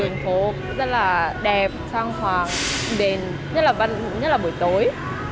đường phố rất là đẹp trang hoa đèn nhất là buổi tối